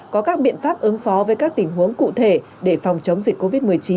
có các biện pháp ứng phó với các tình huống cụ thể để phòng chống dịch covid một mươi chín